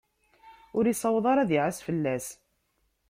Ur yessaweḍ ara ad iɛas fell-as.